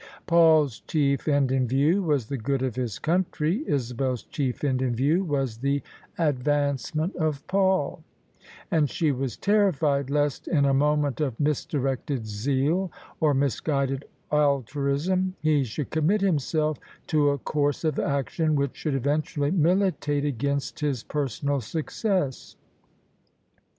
Paul's chief end in view was the good of his country: Isabel's chief end in view was the advancement of Paul: and she was terrified lest in a moment of misdirected zeal or misguided altruism he should commit himself to a course of action which should eventually militate against his per sonal success.